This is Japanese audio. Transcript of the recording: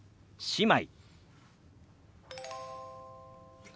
姉妹。